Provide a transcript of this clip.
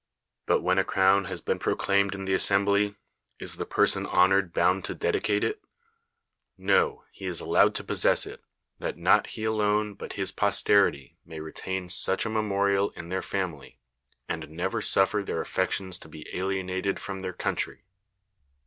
But when a crown has been proclaimed in the assembly, is the person honored bound to dedicate it ? No ; he is allowed to posse:~:s it, that not he alone but his posterity may retain such a memorial in their family, and never suff'er their aff'ections to be alienated from their country.